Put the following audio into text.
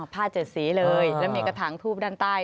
ผ้าเจ็ดสีเลยแล้วมีกระถังทูบด้านใต้